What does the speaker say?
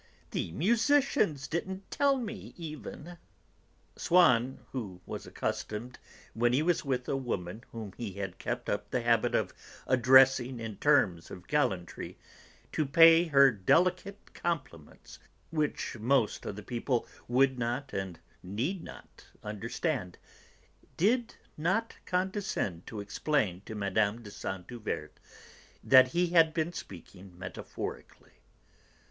The musicians didn't tell me, even." Swann, who was accustomed, when he was with a woman whom he had kept up the habit of addressing in terms of gallantry, to pay her delicate compliments which most other people would not and need not understand, did not condescend to explain to Mme. de Saint Euverte that he had been speaking metaphorically.